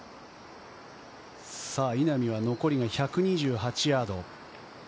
稲見は残りが１２８ヤード。